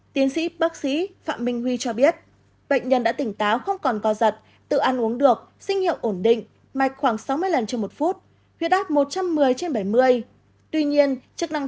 tiến sĩ bác sĩ phạm minh huy cho biết bệnh nhân đã tỉnh táo không còn co giật tự ăn uống được sinh hiệu ổn định